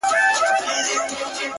د انتظار خبري ډيري ښې دي،